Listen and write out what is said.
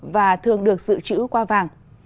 và thường được dự trữ qua vàng